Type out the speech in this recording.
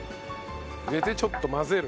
入れてちょっと混ぜる